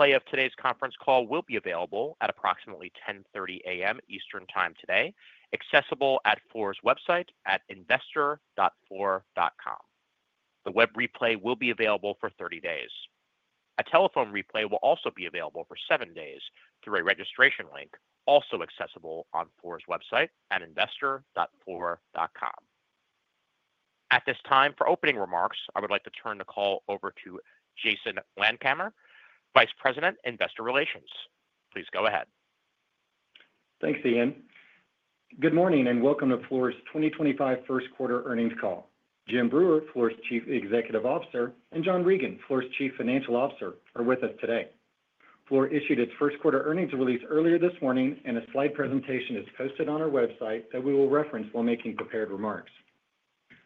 Replay of today's conference call will be available at approximately 10:30 A.M. Eastern Time today, accessible at Fluor's website at investor.fluor.com. The web replay will be available for 30 days. A telephone replay will also be available for 7 days through a registration link, also accessible on Fluor's website at investor.fluor.com. At this time, for opening remarks, I would like to turn the call over to Jason Landkamer, Vice President, Investor Relations. Please go ahead. Thanks, Ian. Good morning and welcome to Fluor's 2025 first quarter earnings call. Jim Breuer, Fluor's Chief Executive Officer, and John Regan, Fluor's Chief Financial Officer, are with us today. Fluor issued its first quarter earnings release earlier this morning, and a Slide presentation is posted on our website that we will reference while making prepared remarks.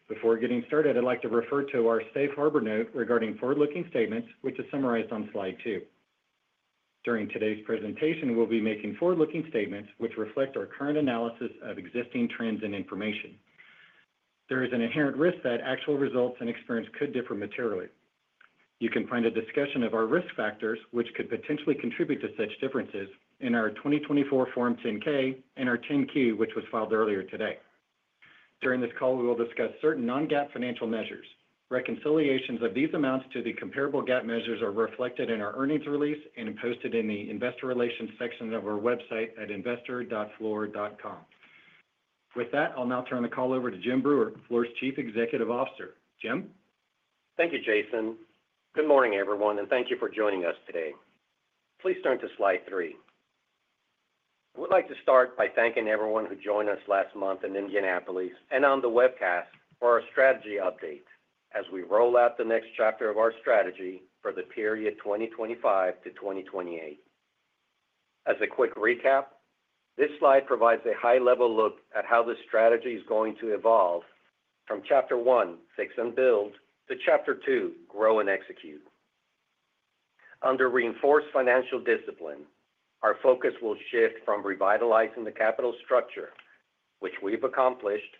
Before getting started, I'd like to refer to our Safe Harbor note regarding forward-looking statements, which is summarized on Slide two. During today's presentation, we'll be making forward-looking statements which reflect our current analysis of existing trends and information. There is an inherent risk that actual results and experience could differ materially. You can find a discussion of our risk factors, which could potentially contribute to such differences, in our 2024 Form 10-K and our 10-Q, which was filed earlier today. During this call, we will discuss certain non-GAAP financial measures. Reconciliations of these amounts to the comparable GAAP measures are reflected in our earnings release and posted in the Investor Relations section of our website at investor.fluor.com. With that, I'll now turn the call over to Jim Breuer, Fluor's Chief Executive Officer. Jim? Thank you, Jason. Good morning, everyone, and thank you for joining us today. Please turn to Slide three. I would like to start by thanking everyone who joined us last month in Indianapolis and on the webcast for our strategy update as we roll out the next chapter of our strategy for the period 2025 to 2028. As a quick recap, this Slide provides a high-level look at how the strategy is going to evolve from Chapter 1, Fix and Build, to Chapter 2, Grow and Execute. Under reinforced financial discipline, our focus will shift from revitalizing the capital structure, which we've accomplished,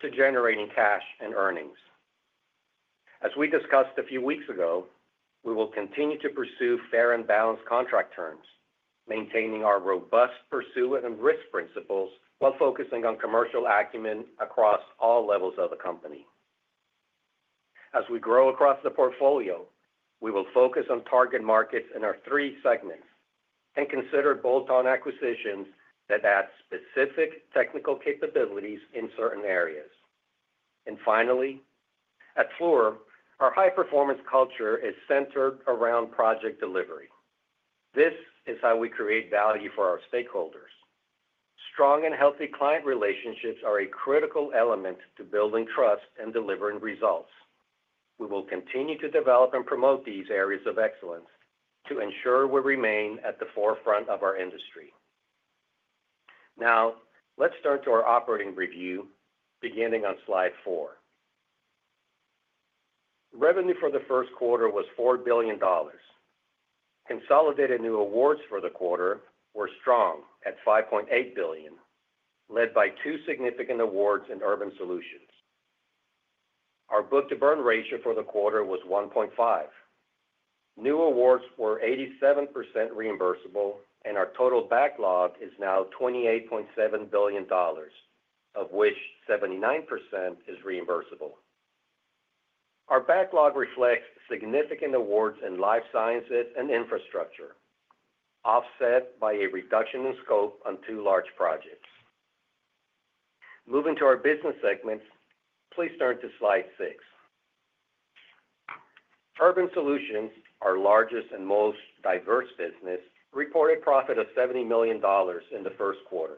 to generating cash and earnings. As we discussed a few weeks ago, we will continue to pursue fair and balanced contract terms, maintaining our robust pursuit and risk principles while focusing on commercial acumen across all levels of the company. As we grow across the portfolio, we will focus on target markets in our three segments and consider bolt-on acquisitions that add specific technical capabilities in certain areas. Finally, at Fluor, our high-performance culture is centered around project delivery. This is how we create value for our stakeholders. Strong and healthy client relationships are a critical element to building trust and delivering results. We will continue to develop and promote these areas of excellence to ensure we remain at the forefront of our industry. Now, let's turn to our operating review, beginning on Slide four. Revenue for the first quarter was $4 billion. Consolidated new awards for the quarter were strong at $5.8 billion, led by two significant awards in urban solutions. Our book-to-bill ratio for the quarter was 1.5. New awards were 87% reimbursable, and our total backlog is now $28.7 billion, of which 79% is reimbursable. Our backlog reflects significant awards in life sciences and infrastructure, offset by a reduction in scope on two large projects. Moving to our business segments, please turn to Slide six. Urban Solutions, our largest and most diverse business, reported profit of $70 million in the first quarter.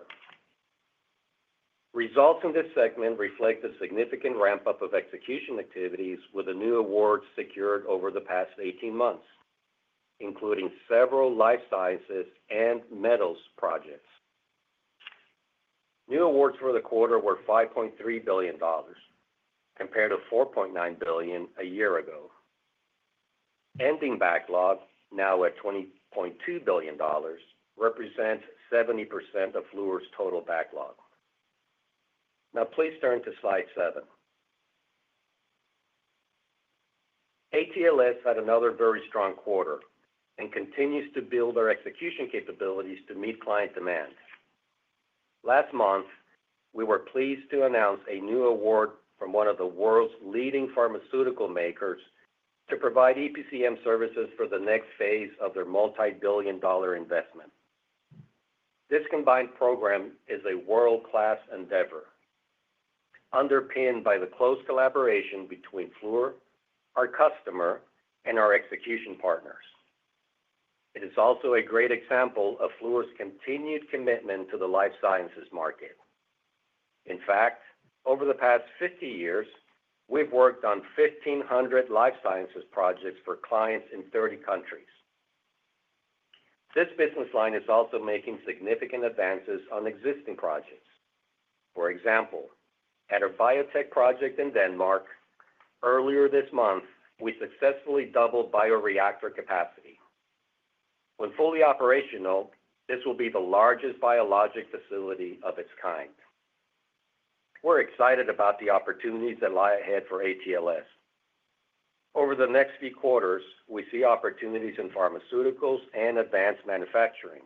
Results in this segment reflect a significant ramp-up of execution activities with the new awards secured over the past 18 months, including several life sciences and metals projects. New awards for the quarter were $5.3 billion, compared to $4.9 billion a year ago. Ending backlog, now at $20.2 billion, represents 70% of Fluor's total backlog. Now, please turn to Slide seven. ATLS had another very strong quarter and continues to build our execution capabilities to meet client demand. Last month, we were pleased to announce a new award from one of the world's leading pharmaceutical makers to provide EPCM services for the next phase of their multi-billion dollar investment. This combined program is a world-class endeavor, underpinned by the close collaboration between Fluor, our customer, and our execution partners. It is also a great example of Fluor's continued commitment to the life sciences market. In fact, over the past 50 years, we've worked on 1,500 life sciences projects for clients in 30 countries. This business line is also making significant advances on existing projects. For example, at our biotech project in Denmark, earlier this month, we successfully doubled bioreactor capacity. When fully operational, this will be the largest biologic facility of its kind. We're excited about the opportunities that lie ahead for ATLS. Over the next few quarters, we see opportunities in pharmaceuticals and advanced manufacturing.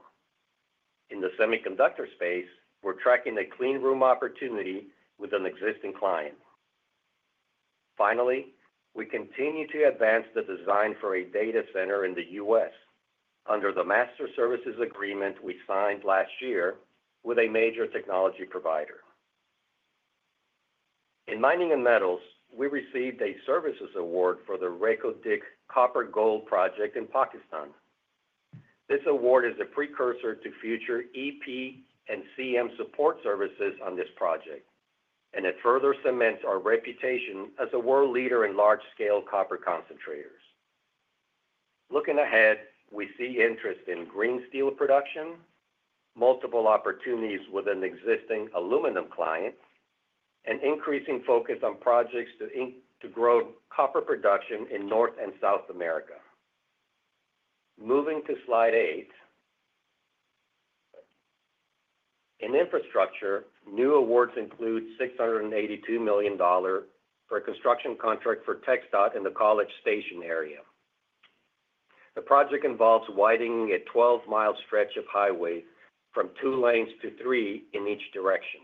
In the semiconductor space, we're tracking a clean room opportunity with an existing client. Finally, we continue to advance the design for a data center in the U.S. under the Master Services Agreement we signed last year with a major technology provider. In Mining and Metals, we received a services award for the Reko Diq copper-gold project in Pakistan. This award is a precursor to future EPCM support services on this project, and it further cements our reputation as a world leader in large-scale copper concentrators. Looking ahead, we see interest in green steel production, multiple opportunities with an existing aluminum client, and increasing focus on projects to grow copper production in North and South America. Moving to Slide eight. In infrastructure, new awards include $682 million for a construction contract for TxDOT in the College Station area. The project involves widening a 12-mile stretch of highway from two lanes to three in each direction.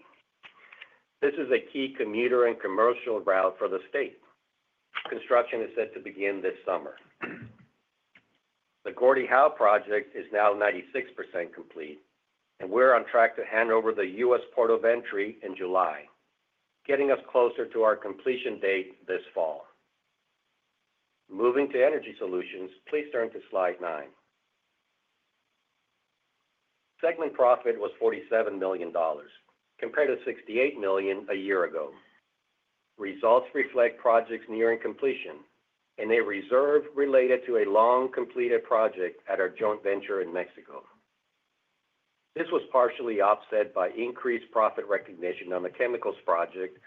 This is a key commuter and commercial route for the state. Construction is set to begin this summer. The Gordie Howe project is now 96% complete, and we're on track to hand over the U.S. port of entry in July, getting us closer to our completion date this fall. Moving to energy solutions, please turn to Slide nine. Segment profit was $47 million, compared to $68 million a year ago. Results reflect projects nearing completion and a reserve related to a long-completed project at our joint venture in Mexico. This was partially offset by increased profit recognition on the chemicals project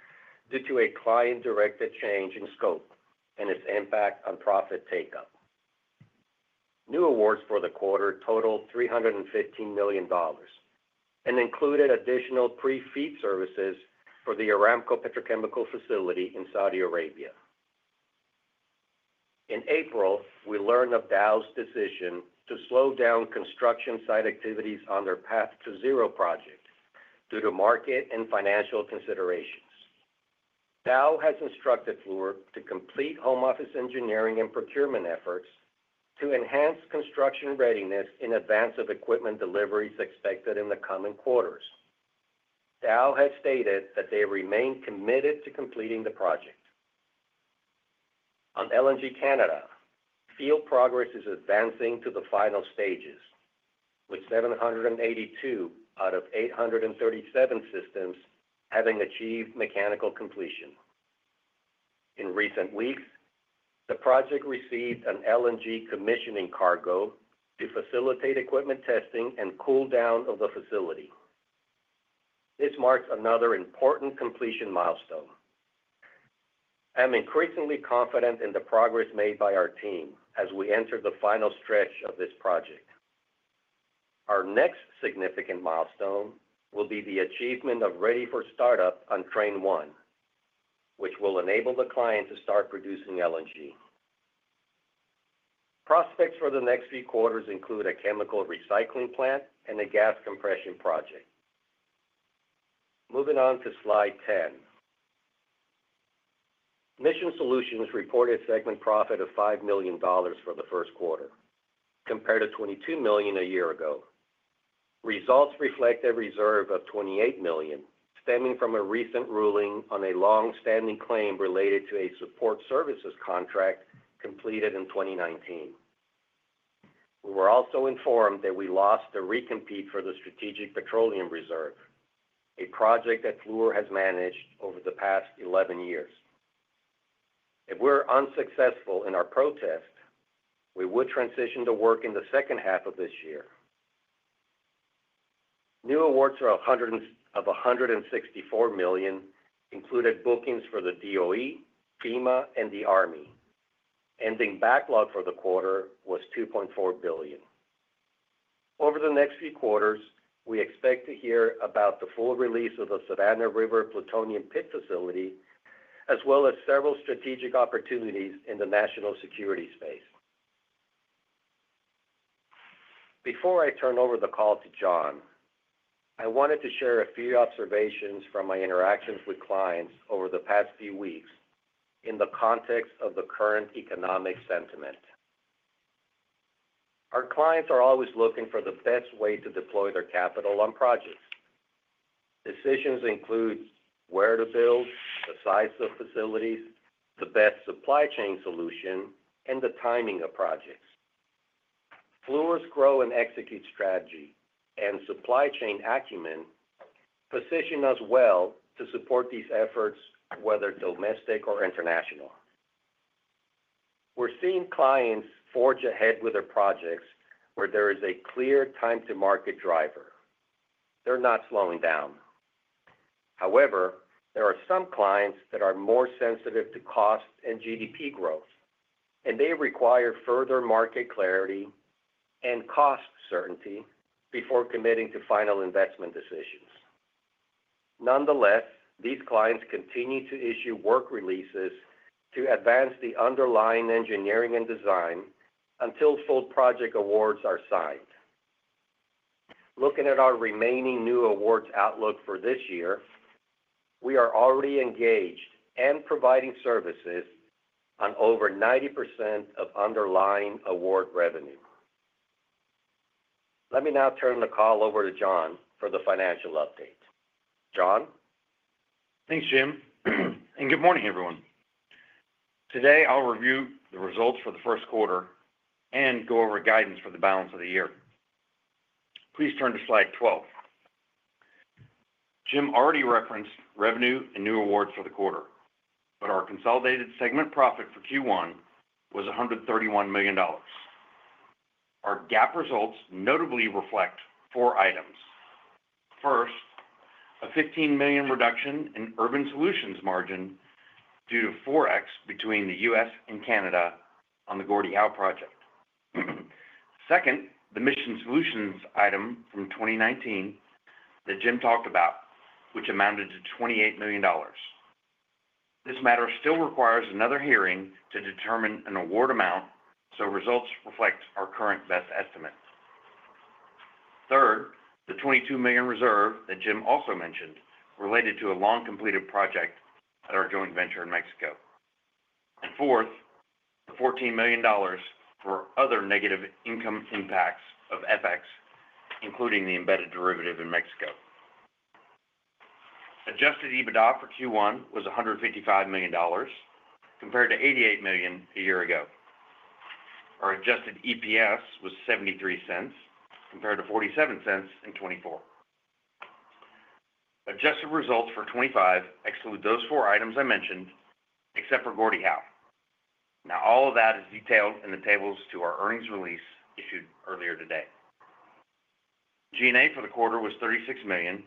due to a client-directed change in scope and its impact on profit take-up. New awards for the quarter totaled $315 million and included additional pre-FEED services for the Aramco Petrochemical facility in Saudi Arabia. In April, we learned of Dow's decision to slow down construction site activities on their Path2Zero project due to market and financial considerations. Dow has instructed Fluor to complete home office engineering and procurement efforts to enhance construction readiness in advance of equipment deliveries expected in the coming quarters. Dow has stated that they remain committed to completing the project. On LNG Canada, field progress is advancing to the final stages, with 782 out of 837 systems having achieved mechanical completion. In recent weeks, the project received an LNG commissioning cargo to facilitate equipment testing and cool-down of the facility. This marks another important completion milestone. I'm increasingly confident in the progress made by our team as we enter the final stretch of this project. Our next significant milestone will be the achievement of Ready for Start-Up on train one, which will enable the client to start producing LNG. Prospects for the next few quarters include a chemical recycling plant and a gas compression project. Moving on to Slide ten. Mission Solutions reported segment profit of $5 million for the first quarter, compared to $22 million a year ago. Results reflect a reserve of $28 million, stemming from a recent ruling on a long-standing claim related to a support services contract completed in 2019. We were also informed that we lost the recompete for the Strategic Petroleum Reserve, a project that Fluor has managed over the past 11 years. If we're unsuccessful in our protest, we would transition to work in the second half of this year. New awards of $164 million included bookings for the DOE, FEMA, and the Army. Ending backlog for the quarter was $2.4 billion. Over the next few quarters, we expect to hear about the full release of the Savannah River Plutonium Pit Facility, as well as several strategic opportunities in the national security space. Before I turn over the call to John, I wanted to share a few observations from my interactions with clients over the past few weeks in the context of the current economic sentiment. Our clients are always looking for the best way to deploy their capital on projects. Decisions include where to build, the size of facilities, the best supply chain solution, and the timing of projects. Fluor's grow and execute strategy and supply chain acumen position us well to support these efforts, whether domestic or international. We're seeing clients forge ahead with their projects where there is a clear time-to-market driver. They're not slowing down. However, there are some clients that are more sensitive to cost and GDP growth, and they require further market clarity and cost certainty before committing to final investment decisions. Nonetheless, these clients continue to issue work releases to advance the underlying engineering and design until full project awards are signed. Looking at our remaining new awards outlook for this year, we are already engaged and providing services on over 90% of underlying award revenue. Let me now turn the call over to John for the financial update. John? Thanks, Jim. Good morning, everyone. Today, I'll review the results for the first quarter and go over guidance for the balance of the year. Please turn to Slide 12. Jim already referenced revenue and new awards for the quarter, but our consolidated segment profit for Q1 was $131 million. Our GAAP results notably reflect four items. First, a $15 million reduction in Urban Solutions margin due to forex between the U.S. and Canada on the Gordie Howe project. Second, the Mission Solutions item from 2019 that Jim talked about, which amounted to $28 million. This matter still requires another hearing to determine an award amount, so results reflect our current best estimate. Third, the $22 million reserve that Jim also mentioned related to a long-completed project at our joint venture in Mexico. Fourth, the $14 million for other negative income impacts of FX, including the embedded derivative in Mexico. Adjusted EBITDA for Q1 was $155 million, compared to $88 million a year ago. Our adjusted EPS was $0.73, compared to $0.47 in 2024. Adjusted results for 2025 exclude those four items I mentioned, except for Gordie Howe. All of that is detailed in the tables to our earnings release issued earlier today. G&A for the quarter was $36 million,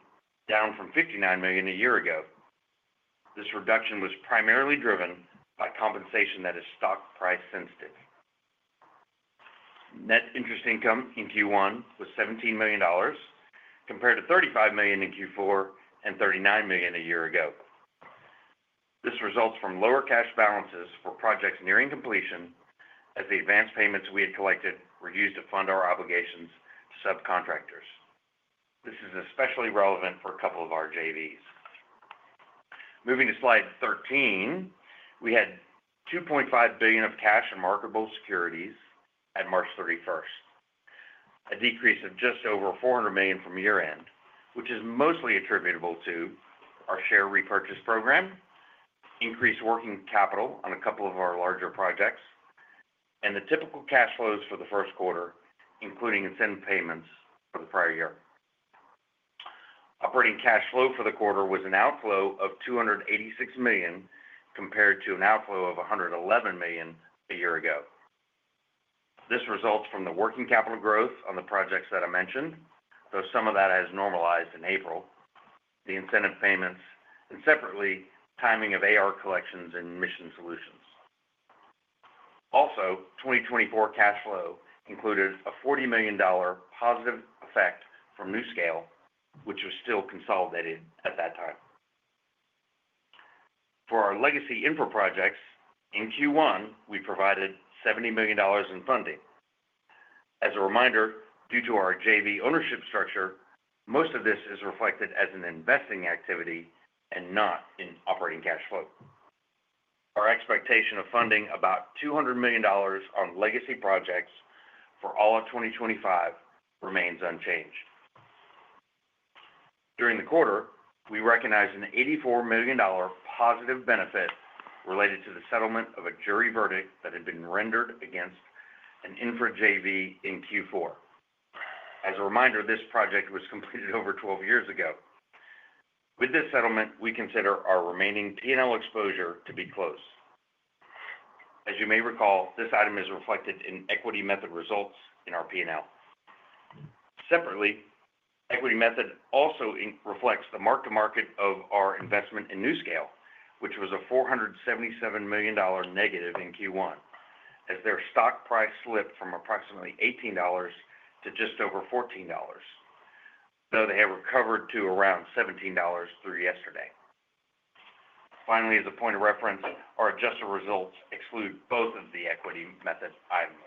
down from $59 million a year ago. This reduction was primarily driven by compensation that is stock price sensitive. Net interest income in Q1 was $17 million, compared to $35 million in Q4 and $39 million a year ago. This results from lower cash balances for projects nearing completion, as the advance payments we had collected were used to fund our obligations to subcontractors. This is especially relevant for a couple of our JVs. Moving to Slide 13, we had $2.5 billion of cash and marketable securities at March 31, a decrease of just over $400 million from year-end, which is mostly attributable to our share repurchase program, increased working capital on a couple of our larger projects, and the typical cash flows for the first quarter, including incentive payments for the prior year. Operating cash flow for the quarter was an outflow of $286 million, compared to an outflow of $111 million a year ago. This results from the working capital growth on the projects that I mentioned, though some of that has normalized in April, the incentive payments, and separately, timing of AR collections in Mission Solutions. Also, 2024 cash flow included a $40 million positive effect from NuScale, which was still consolidated at that time. For our legacy infra projects, in Q1, we provided $70 million in funding. As a reminder, due to our JV ownership structure, most of this is reflected as an investing activity and not in operating cash flow. Our expectation of funding about $200 million on legacy projects for all of 2025 remains unchanged. During the quarter, we recognized an $84 million positive benefit related to the settlement of a jury verdict that had been rendered against an infra JV in Q4. As a reminder, this project was completed over 12 years ago. With this settlement, we consider our remaining P&L exposure to be closed. As you may recall, this item is reflected in equity method results in our P&L. Separately, equity method also reflects the mark-to-market of our investment in NuScale, which was a $477 million negative in Q1, as their stock price slipped from approximately $18 to just over $14, though they have recovered to around $17 through yesterday. Finally, as a point of reference, our adjusted results exclude both of the equity method items.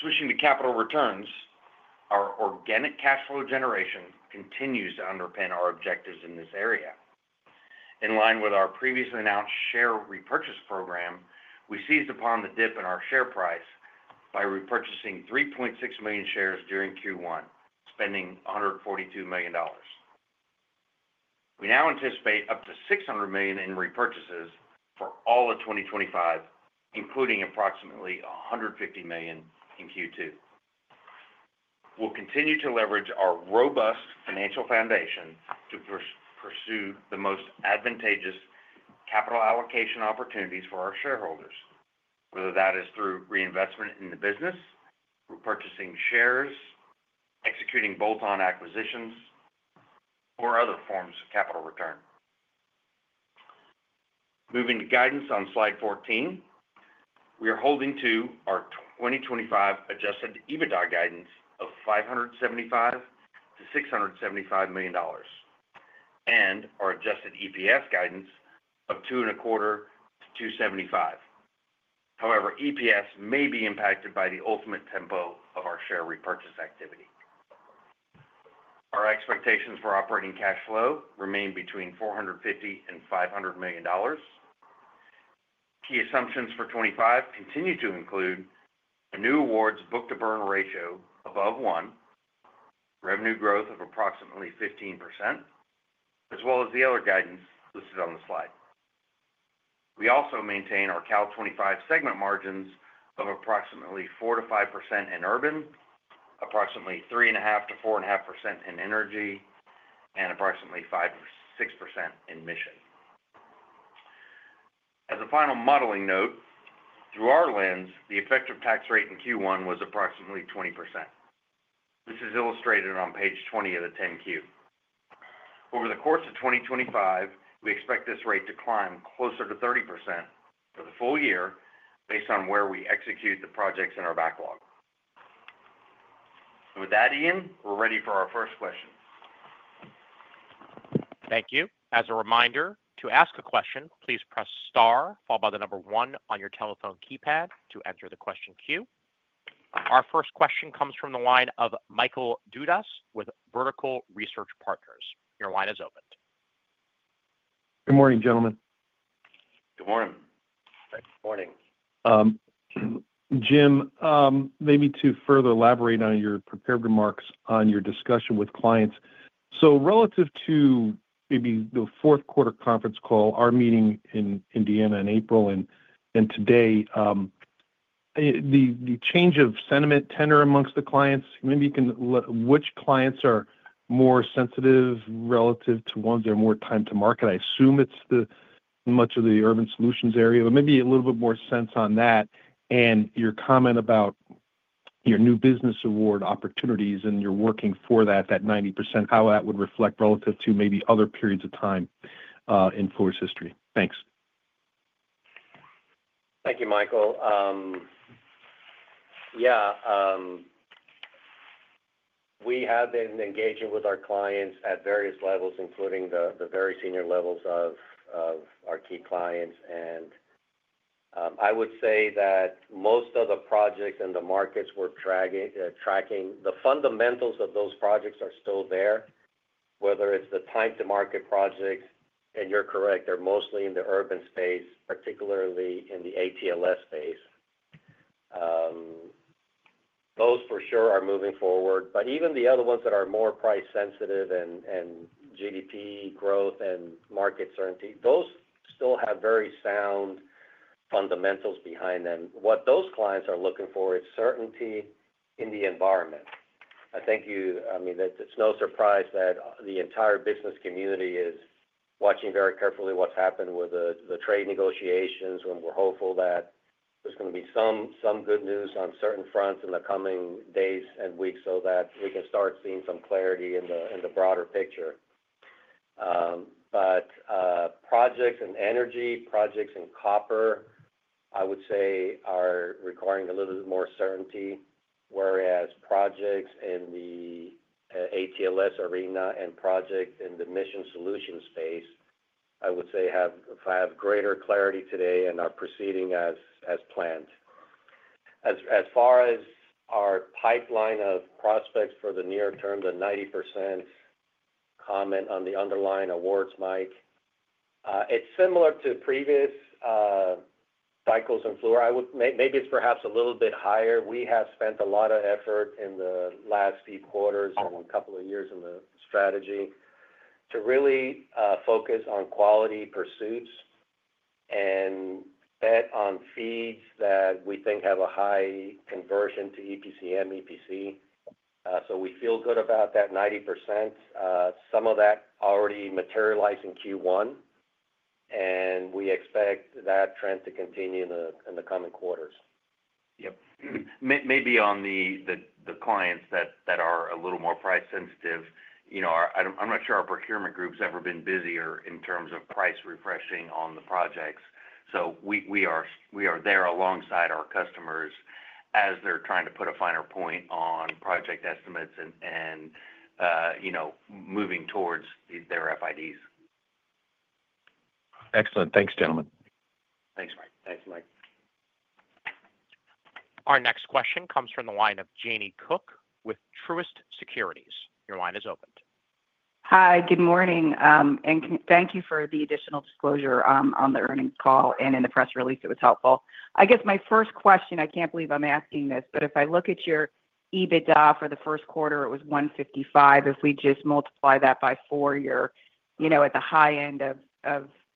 Switching to capital returns, our organic cash flow generation continues to underpin our objectives in this area. In line with our previously announced share repurchase program, we seized upon the dip in our share price by repurchasing 3.6 million shares during Q1, spending $142 million. We now anticipate up to $600 million in repurchases for all of 2025, including approximately $150 million in Q2. We'll continue to leverage our robust financial foundation to pursue the most advantageous capital allocation opportunities for our shareholders, whether that is through reinvestment in the business, repurchasing shares, executing bolt-on acquisitions, or other forms of capital return. Moving to guidance on Slide 14, we are holding to our 2025 adjusted EBITDA guidance of $575 million-$675 million and our adjusted EPS guidance of $2.25-$2.75. However, EPS may be impacted by the ultimate tempo of our share repurchase activity. Our expectations for operating cash flow remain between $450 million and $500 million. Key assumptions for 2025 continue to include a new awards book-to-bill ratio above one, revenue growth of approximately 15%, as well as the other guidance listed on the Slide. We also maintain our calendar 2025 segment margins of approximately 4%-5% in urban, approximately 3.5%-4.5% in energy, and approximately 5%-6% in mission. As a final modeling note, through our lens, the effective tax rate in Q1 was approximately 20%. This is illustrated on page 20 of the 10-Q. Over the course of 2025, we expect this rate to climb closer to 30% for the full year based on where we execute the projects in our backlog. With that, Ian, we're ready for our first question. Thank you. As a reminder, to ask a question, please press star, followed by the number one on your telephone keypad to enter the question queue. Our first question comes from the line of Michael Dudas with Vertical Research Partners. Your line is opened. Good morning gentlemen. Good morning. Good morning. Jim, maybe to further elaborate on your prepared remarks on your discussion with clients. Relative to maybe the fourth quarter conference call, our meeting in Indiana in April and today, the change of sentiment tender amongst the clients, maybe you can let which clients are more sensitive relative to ones that are more time to market. I assume it's much of the urban solutions area, but maybe a little bit more sense on that and your comment about your new business award opportunities and your working for that, that 90%, how that would reflect relative to maybe other periods of time in Fluor's history. Thanks. Thank you, Michael. Yeah. We have been engaging with our clients at various levels, including the very senior levels of our key clients. I would say that most of the projects and the markets we're tracking, the fundamentals of those projects are still there, whether it's the time-to-market projects. You're correct. They're mostly in the urban space, particularly in the ATLS space. Those for sure are moving forward. Even the other ones that are more price sensitive and GDP growth and market certainty, those still have very sound fundamentals behind them. What those clients are looking for is certainty in the environment. I think, I mean, it's no surprise that the entire business community is watching very carefully what's happened with the trade negotiations, and we're hopeful that there's going to be some good news on certain fronts in the coming days and weeks so that we can start seeing some clarity in the broader picture. Projects in energy, projects in copper, I would say, are requiring a little bit more certainty, whereas projects in the ATLS arena and projects in the mission solution space, I would say, have greater clarity today and are proceeding as planned. As far as our pipeline of prospects for the near term, the 90% comment on the underlying awards, Mike, it's similar to previous cycles in Fluor. Maybe it's perhaps a little bit higher. We have spent a lot of effort in the last few quarters and a couple of years in the strategy to really focus on quality pursuits and bet on FEEDs that we think have a high conversion to EPCM, EPC. We feel good about that 90%. Some of that already materialized in Q1, and we expect that trend to continue in the coming quarters. Yep. Maybe on the clients that are a little more price sensitive, I'm not sure our procurement group's ever been busier in terms of price refreshing on the projects. We are there alongside our customers as they're trying to put a finer point on project estimates and moving towards their FIDs. Excellent. Thanks, gentlemen. Thanks, Mike. Thanks, Mike. Our next question comes from the line of Jamie Cook with Truist Securities. Your line is opened. Hi. Good morning. Thank you for the additional disclosure on the earnings call and in the press release. It was helpful. I guess my first question, I can't believe I'm asking this, but if I look at your EBITDA for the first quarter, it was $155. If we just multiply that by four, you're at the high end of,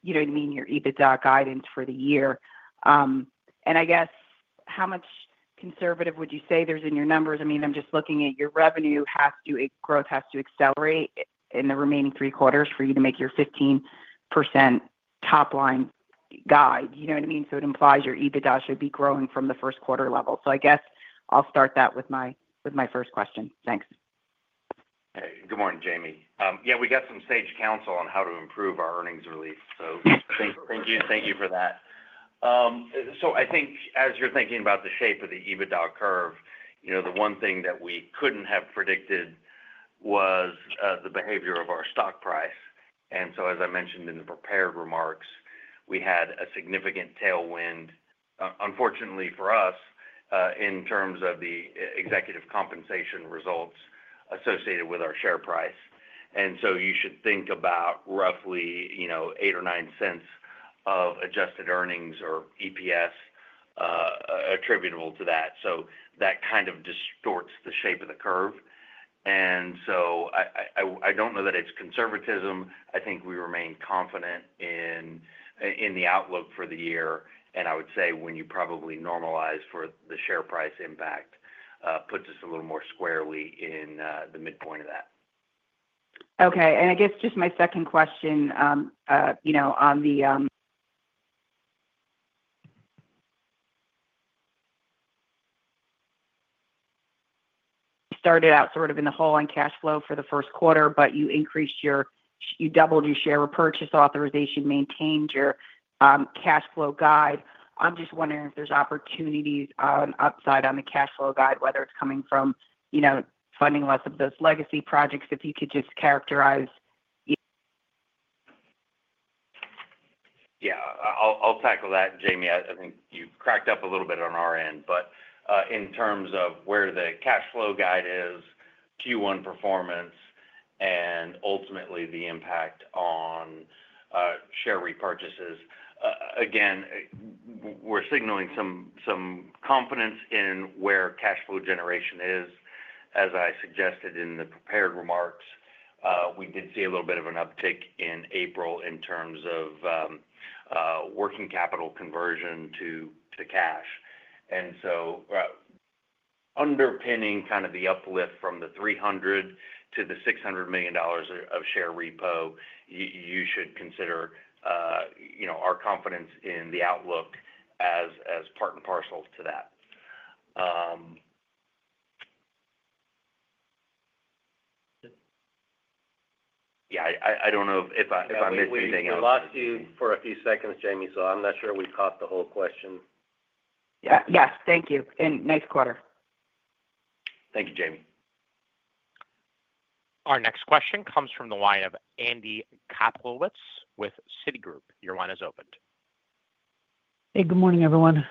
you know what I mean, your EBITDA guidance for the year. I guess how much conservative would you say there's in your numbers? I mean, I'm just looking at your revenue has to, growth has to accelerate in the remaining three quarters for you to make your 15% top-line guide. You know what I mean? It implies your EBITDA should be growing from the first quarter level. I guess I'll start that with my first question. Thanks. Hey. Good morning, Jamie. Yeah, we got some sage counsel on how to improve our earnings release. Thank you for that. I think as you're thinking about the shape of the EBITDA curve, the one thing that we couldn't have predicted was the behavior of our stock price. As I mentioned in the prepared remarks, we had a significant tailwind, unfortunately for us, in terms of the executive compensation results associated with our share price. You should think about roughly $0.08 or $0.09 of adjusted earnings or EPS attributable to that. That kind of distorts the shape of the curve. I don't know that it's conservatism. I think we remain confident in the outlook for the year. I would say when you probably normalize for the share price impact, it puts us a little more squarely in the midpoint of that. Okay. I guess just my second question on the started out sort of in the haul on cash flow for the first quarter, but you increased your, you doubled your share repurchase authorization, maintained your cash flow guide. I'm just wondering if there's opportunities on upside on the cash flow guide, whether it's coming from funding less of those legacy projects, if you could just characterize. Yeah. I'll tackle that, Jamie. I think you've cracked up a little bit on our end, but in terms of where the cash flow guide is, Q1 performance, and ultimately the impact on share repurchases. Again, we're signaling some confidence in where cash flow generation is. As I suggested in the prepared remarks, we did see a little bit of an uptick in April in terms of working capital conversion to cash. Underpinning kind of the uplift from the $300 million to the $600 million of share repo, you should consider our confidence in the outlook as part and parcel to that. Yeah. I don't know if I missed anything else. We lost you for a few seconds, Jamie, so I'm not sure we caught the whole question. Yeah. Yes. Thank you. And nice quarter. Thank you, Jamie. Our next question comes from the line of Andy Kaplowitz with Citigroup. Your line is opened. Hey. Good morning, everyone.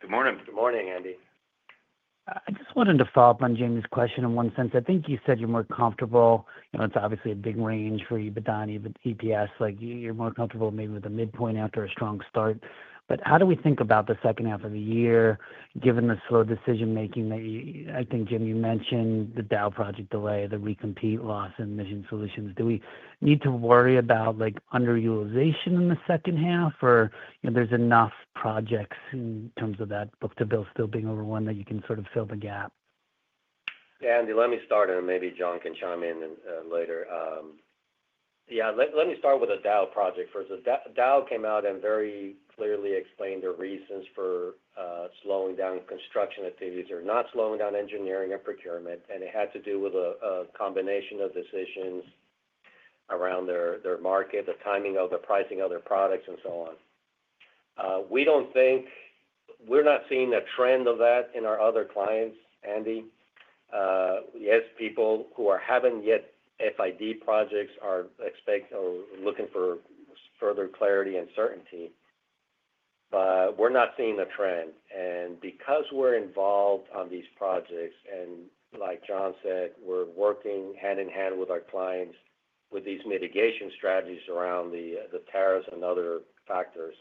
Good morning. Good morning, Andy. I just wanted to follow up on Jamie's question in one sense. I think you said you're more comfortable. It's obviously a big range for EBITDA and EPS. You're more comfortable maybe with a midpoint after a strong start. How do we think about the second half of the year given the slow decision-making that I think, Jim, you mentioned the Dow project delay, the recompete loss in mission solutions. Do we need to worry about underutilization in the second half, or there's enough projects in terms of that book-to-bill still being overwhelmed that you can sort of fill the gap? Yeah. Andy, let me start, and maybe John can chime in later. Yeah. Let me start with the Dow project first. Dow came out and very clearly explained their reasons for slowing down construction activities or not slowing down engineering and procurement. It had to do with a combination of decisions around their market, the timing of the pricing of their products, and so on. We're not seeing a trend of that in our other clients, Andy. Yes, people who haven't yet FID projects are looking for further clarity and certainty. We're not seeing a trend. Because we're involved on these projects, and like John said, we're working hand in hand with our clients with these mitigation strategies around the tariffs and other factors,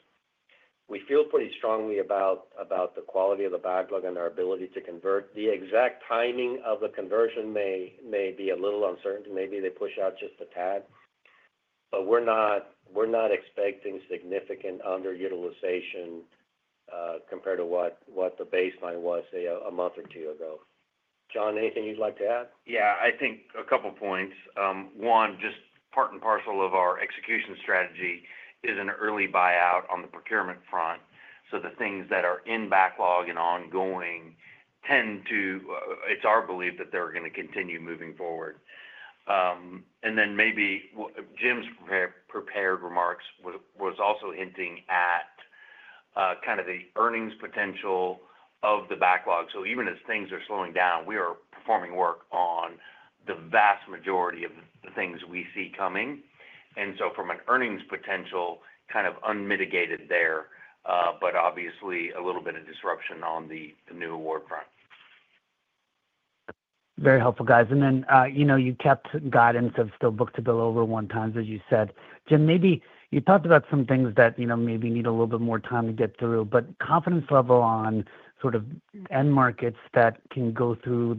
we feel pretty strongly about the quality of the backlog and our ability to convert. The exact timing of the conversion may be a little uncertain. Maybe they push out just a tad. We are not expecting significant underutilization compared to what the baseline was a month or two ago. John, anything you'd like to add? Yeah. I think a couple of points. One, just part and parcel of our execution strategy is an early buyout on the procurement front. So the things that are in backlog and ongoing tend to, it's our belief that they're going to continue moving forward. Then maybe Jim's prepared remarks was also hinting at kind of the earnings potential of the backlog. Even as things are slowing down, we are performing work on the vast majority of the things we see coming. From an earnings potential, kind of unmitigated there, but obviously a little bit of disruption on the new award front. Very helpful, guys. You kept guidance of still book-to-bill over one times, as you said. Jim, maybe you talked about some things that maybe need a little bit more time to get through. Confidence level on sort of end markets that can go through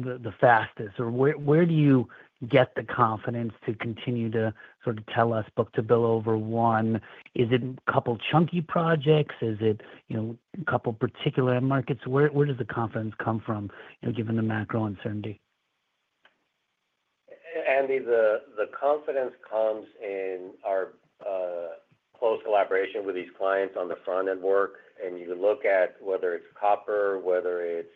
the fastest, or where do you get the confidence to continue to sort of tell us book-to-bill over one? Is it a couple of chunky projects? Is it a couple of particular end markets? Where does the confidence come from, given the macro uncertainty? Andy, the confidence comes in our close collaboration with these clients on the front-end work. You look at whether it's copper, whether it's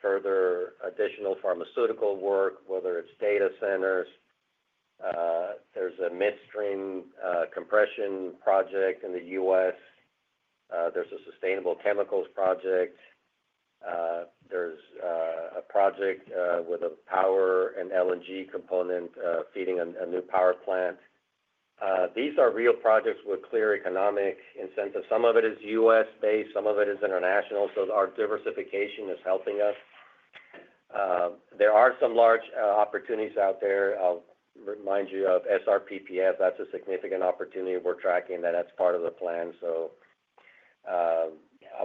further additional pharmaceutical work, whether it's data centers. There's a midstream compression project in the U.S. There's a sustainable chemicals project. There's a project with a power and LNG component feeding a new power plant. These are real projects with clear economic incentives. Some of it is U.S.-based. Some of it is international. Our diversification is helping us. There are some large opportunities out there. I'll remind you of SRPPF. That's a significant opportunity. We're tracking that. That's part of the plan.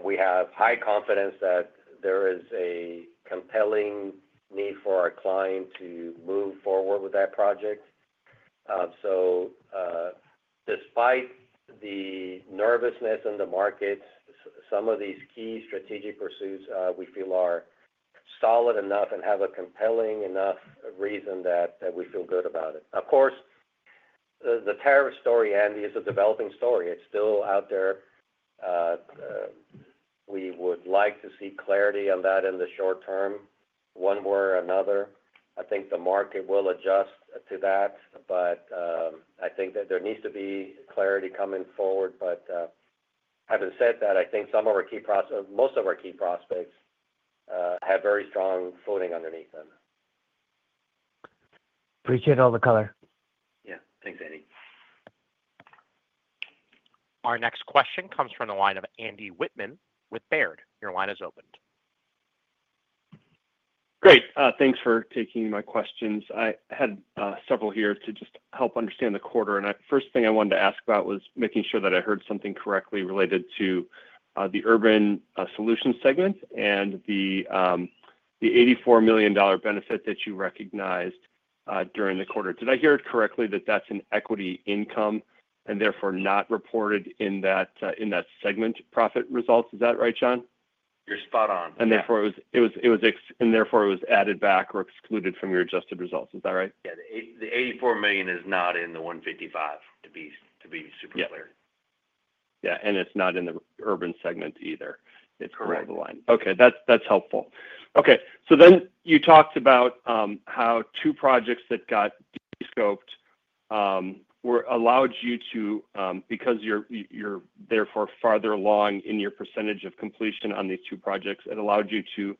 We have high confidence that there is a compelling need for our client to move forward with that project. Despite the nervousness in the markets, some of these key strategic pursuits we feel are solid enough and have a compelling enough reason that we feel good about it. Of course, the tariff story, Andy, is a developing story. It is still out there. We would like to see clarity on that in the short term, one way or another. I think the market will adjust to that. I think that there needs to be clarity coming forward. Having said that, I think some of our key prospects, most of our key prospects have very strong footing underneath them. Appreciate all the color. Yeah. Thanks, Andy. Our next question comes from the line of Andy Wittmann with Baird. Your line is opened. Great. Thanks for taking my questions. I had several here to just help understand the quarter. The first thing I wanted to ask about was making sure that I heard something correctly related to the Urban Solutions segment and the $84 million benefit that you recognized during the quarter. Did I hear it correctly that that's an equity income and therefore not reported in that segment profit results? Is that right, John? You're spot on. Therefore it was added back or excluded from your adjusted results. Is that right? Yeah. The $84 million is not in the $155, to be super clear. Yeah. Yeah. It is not in the urban segment either. It is below the line. Correct. Okay. That's helpful. Okay. You talked about how two projects that got descoped allowed you to, because you're therefore farther along in your percentage of completion on these two projects, it allowed you to,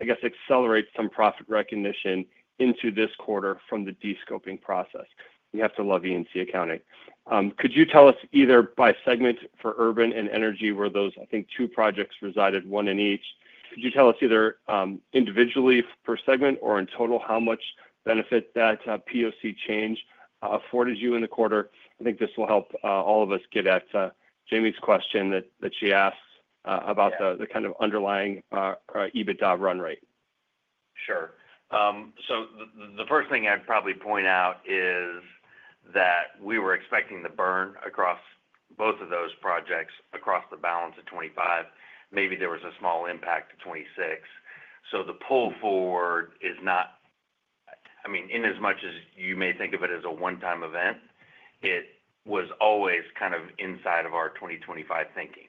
I guess, accelerate some profit recognition into this quarter from the descoping process. You have to love ENC accounting. Could you tell us either by segment for urban and energy where those, I think, two projects resided, one in each? Could you tell us either individually per segment or in total how much benefit that POC change afforded you in the quarter? I think this will help all of us get at Jamie's question that she asked about the kind of underlying EBITDA run rate. Sure. The first thing I'd probably point out is that we were expecting the burn across both of those projects across the balance of 2025. Maybe there was a small impact to 2026. The pull forward is not, I mean, in as much as you may think of it as a one-time event, it was always kind of inside of our 2025 thinking.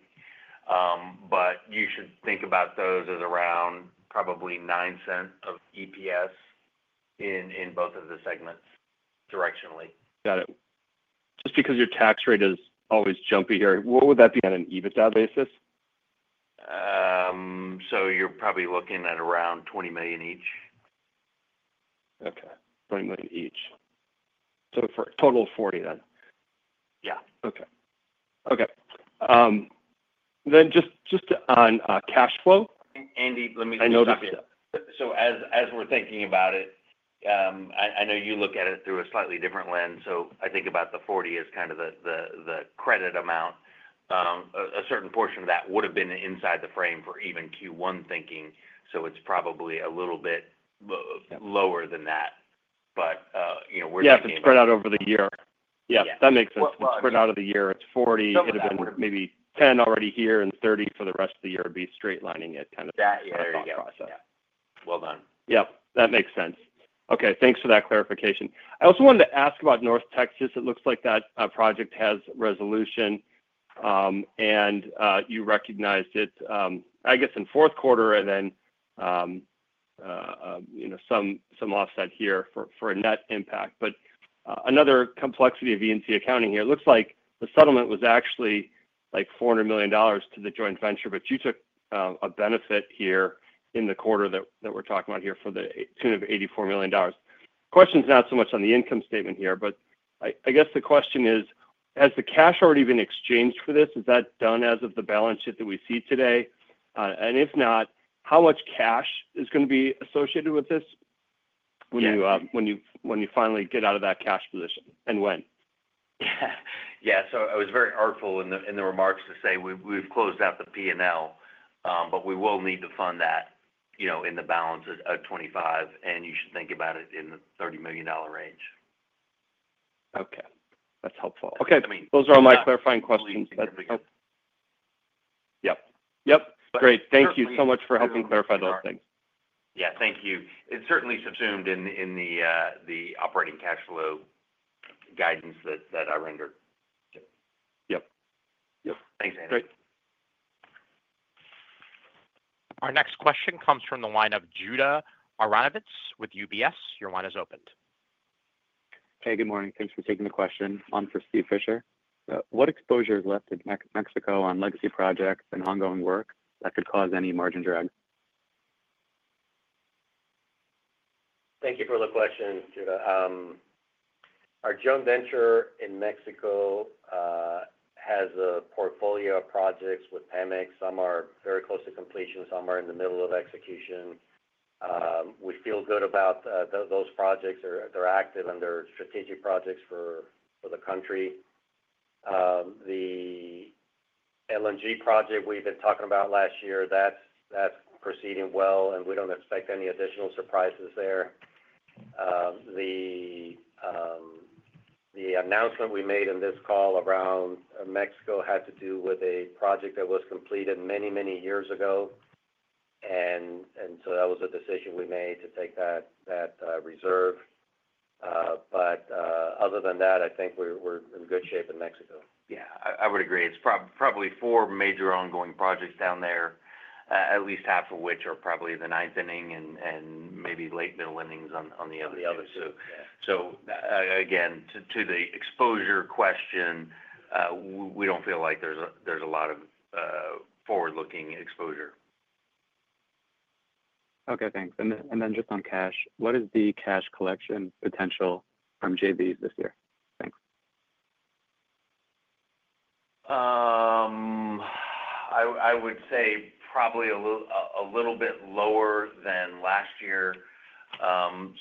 You should think about those as around probably $0.09 of EPS in both of the segments directionally. Got it. Just because your tax rate is always jumpy here, what would that be on an EBITDA basis? You're probably looking at around $20 million each. Okay. $20 million each. For a total of $40 million then. Yeah. Okay. Okay. Just on cash flow. Andy, let me stop you. I know that. As we're thinking about it, I know you look at it through a slightly different lens. I think about the 40 as kind of the credit amount. A certain portion of that would have been inside the frame for even Q1 thinking. It's probably a little bit lower than that. We're thinking. Yeah. Spread out over the year. Yeah. That makes sense. Spread out over the year, it's 40. It would have been maybe 10 already here and 30 for the rest of the year. It'd be straight lining it kind of. Yeah. Yeah. There you go. Process. Well done. Yep. That makes sense. Okay. Thanks for that clarification. I also wanted to ask about North Texas. It looks like that project has resolution. You recognized it, I guess, in fourth quarter and then some offset here for a net impact. Another complexity of EPC accounting here. It looks like the settlement was actually like $400 million to the joint venture, but you took a benefit here in the quarter that we're talking about here for the tune of $84 million. Question's not so much on the income statement here, but I guess the question is, has the cash already been exchanged for this? Is that done as of the balance sheet that we see today? If not, how much cash is going to be associated with this when you finally get out of that cash position, and when? Yeah. I was very artful in the remarks to say we've closed out the P&L, but we will need to fund that in the balance of 2025. You should think about it in the $30 million range. Okay. That's helpful. Okay. Those are all my clarifying questions. Yep. Yep. Great. Thank you so much for helping clarify those things. Yeah. Thank you. It certainly subsumed in the operating cash flow guidance that I rendered. Yep. Yep. Thanks, Andy. Great. Our next question comes from the line of Judah Aronovitz with UBS. Your line is opened. Hey. Good morning. Thanks for taking the question. I'm for Steve Fisher. What exposure is left in Mexico on legacy projects and ongoing work that could cause any margin drag? Thank you for the question, Judah. Our joint venture in Mexico has a portfolio of projects with PEMEX. Some are very close to completion. Some are in the middle of execution. We feel good about those projects. They're active and they're strategic projects for the country. The LNG project we've been talking about last year, that's proceeding well. We do not expect any additional surprises there. The announcement we made in this call around Mexico had to do with a project that was completed many, many years ago. That was a decision we made to take that reserve. Other than that, I think we're in good shape in Mexico. Yeah. I would agree. It's probably four major ongoing projects down there, at least half of which are probably the ninth inning and maybe late middle innings on the other two. On the other two. Yeah. Again, to the exposure question, we don't feel like there's a lot of forward-looking exposure. Okay. Thanks. What is the cash collection potential from JVs this year? Thanks. I would say probably a little bit lower than last year.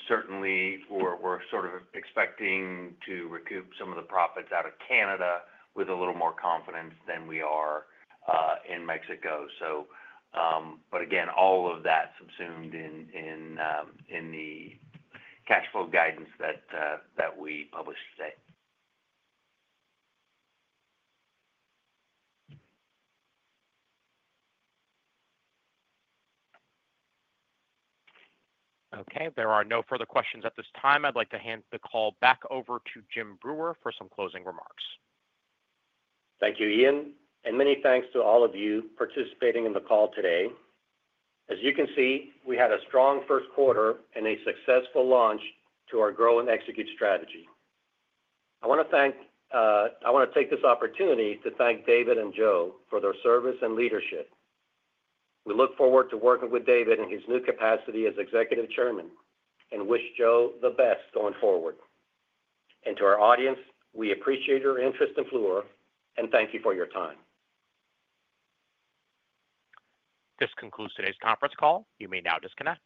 Certainly, we're sort of expecting to recoup some of the profits out of Canada with a little more confidence than we are in Mexico. Again, all of that subsumed in the cash flow guidance that we published today. Okay. There are no further questions at this time. I'd like to hand the call back over to Jim Breuer for some closing remarks. Thank you, Ian. Many thanks to all of you participating in the call today. As you can see, we had a strong first quarter and a successful launch to our grow and execute strategy. I want to take this opportunity to thank David and Joe for their service and leadership. We look forward to working with David in his new capacity as Executive Chairman and wish Joe the best going forward. To our audience, we appreciate your interest in Fluor and thank you for your time. This concludes today's conference call. You may now disconnect.